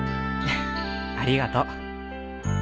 ありがとう。